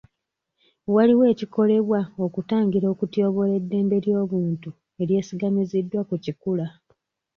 Waliwo ekikolebwa okutangira okutyoboola ddembe ly'obuntu eryesigamiziddwa ku kikula.